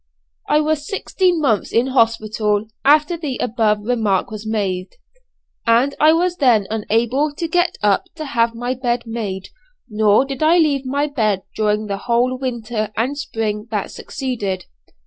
I was sixteen months in hospital after the above remark was made, and I was then unable to get up to have my bed made, nor did I leave my bed during the whole winter and spring that succeeded!